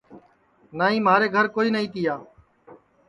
نائی مھارے گھر کوئی نائی تیا